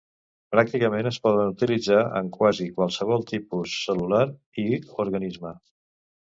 Pràcticament es poden utilitzar en quasi qualsevol tipus cel·lular i organisme.